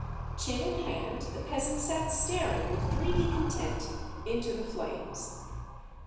Chin in hand the peasant sat staring with dreamy content into the flames.